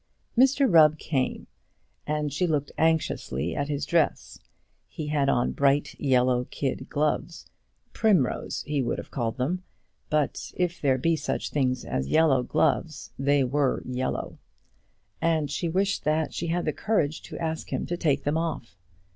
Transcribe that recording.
Mr Rubb came, and she looked anxiously at his dress. He had on bright yellow kid gloves, primrose he would have called them, but, if there be such things as yellow gloves, they were yellow; and she wished that she had the courage to ask him to take them off.